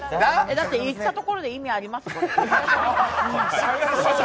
だっていったところで意味あります？